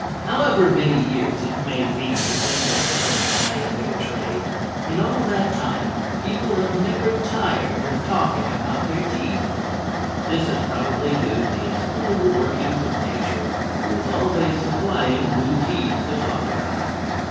However many years it may be that dentists have been plying their trade, in all that time people have never tired of talking about their teeth. This is probably due to the inscrutable workings of Nature who is always supplying new teeth to talk about.